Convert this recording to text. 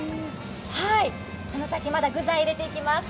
この先、まだ具材入れていきます。